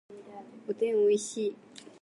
おでんおいしい